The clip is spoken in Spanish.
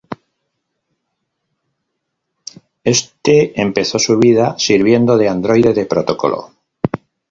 Este empezó su "vida" sirviendo de androide de protocolo.